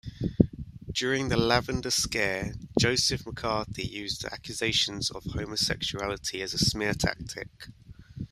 During the Lavender Scare, Joseph McCarthy used accusations of homosexuality as a smear tactic.